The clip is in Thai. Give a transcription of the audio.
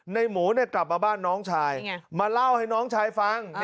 ในหมูกลับมาบ้านน้องชายมาเล่าให้น้องชายฟัง